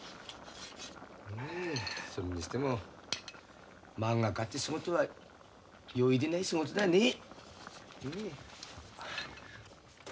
それにしてもまんが家って仕事は容易でない仕事だねえ。